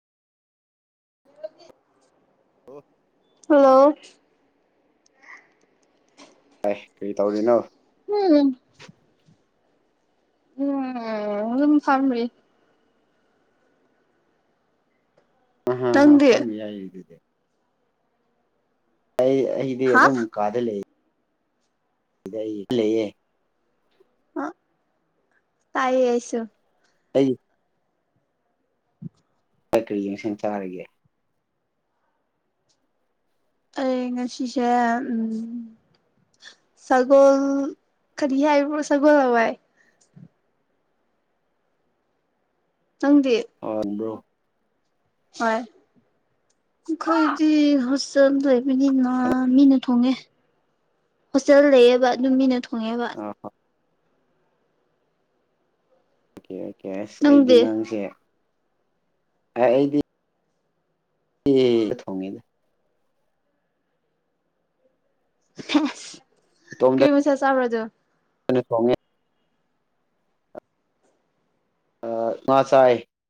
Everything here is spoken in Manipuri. ꯑꯣ ꯍꯜꯂꯣ ꯇꯥꯏ ꯀꯔꯤ ꯇꯧꯔꯤꯅꯣ ꯎꯝ ꯎꯝ ꯑꯗꯨꯝ ꯆꯝꯔꯤ ꯑ ꯍ ꯅꯪꯗꯤ ꯍꯝ ꯌꯥꯏꯗꯗꯦ ꯑꯩ ꯑꯩꯗꯤ ꯍꯥ ꯑꯗꯨꯝ ꯀꯥꯗ ꯂꯩ ꯂꯩ ꯂꯩꯌꯦ ꯑ ꯇꯥꯏ ꯌꯁꯁꯨ ꯑꯩ [unintelligible] ꯀ ꯀꯔꯤ ꯌꯦꯡꯁꯟ ꯆꯥꯔꯒꯦ ꯑꯦ ꯉ ꯁꯤꯤꯤꯁꯦ ꯎꯝ ꯁꯒꯣꯜ ꯀꯔꯤ ꯍꯥꯏ ꯁꯒꯣꯜ ꯍꯋꯥꯏ ꯅꯪꯗꯤ ꯑꯕ꯭ꯔꯣ ꯍꯣꯏ ꯑꯩꯈꯣꯏꯗꯤ ꯍꯣꯁꯇꯦꯜꯗ ꯑꯣꯏꯕꯅꯤꯅ ꯃꯤꯅ ꯊꯣꯡꯉꯦ ꯍꯣꯁꯇꯦꯜ ꯂꯩꯌꯦꯕ ꯑꯗꯨ ꯃꯤꯅ ꯊꯣꯡꯉꯦꯕ ꯑꯣꯀꯦ ꯑꯣꯀꯦ ꯑꯣꯀꯦ ꯑꯁ ꯑꯩꯗꯤ ꯅꯪꯗꯤ ꯅꯪꯁꯦ ꯑꯩꯗꯤ ꯍ ꯊꯣꯡꯉꯗ ꯏꯇꯣꯝꯗ ꯀꯔꯤꯃꯤꯁ ꯆꯝ꯭ꯔꯖꯣ ꯊꯣꯡꯉꯦ ꯑ ꯃꯥ ꯆꯥꯏ